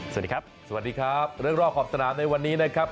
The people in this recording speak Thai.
สวัสดีครับสวัสดีครับเรื่องรอบขอบสนามในวันนี้นะครับ